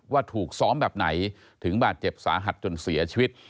ว่าถูกซ้อมแบบไหนถึงบาดเจ็บสาหัสจนเสียชีวิต